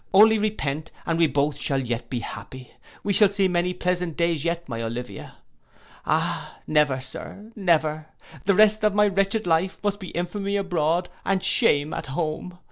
Only repent, and we both shall yet be happy. We shall see many pleasant days yet, my Olivia!'—'Ah! never, sir, never. The rest of my wretched life must be infamy abroad and shame at home.